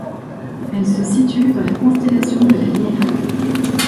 Elle se situe dans la constellation de la Lyre.